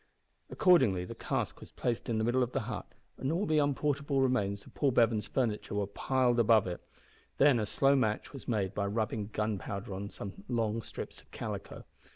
Accordingly the cask was placed in the middle of the hut and all the unportable remains of Paul Bevan's furniture were piled above it. Then a slow match was made by rubbing gunpowder on some long strips of calico.